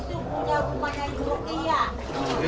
iya rumah anaknya juga iya